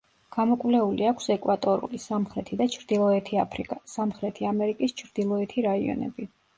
გამოკვლეული აქვს ეკვატორული, სამხრეთი და ჩრდილოეთი აფრიკა, სამხრეთი ამერიკის ჩრდილოეთი რაიონები.